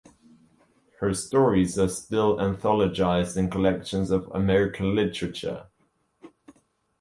Her stories are still anthologized in collections of American literature.